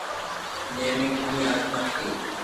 جي مي ڪني آتما ھتي